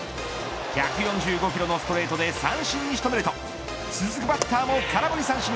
１４５キロのストレートで三振に仕留めると続くバッターも空振り三振。